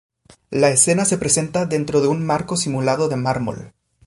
La escena se presenta dentro de un marco simulado de mármol.